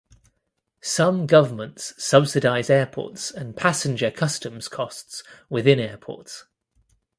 Some governments subsidize airports and passenger customs costs within airports.